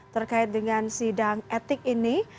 terkait dengan sidang etik ini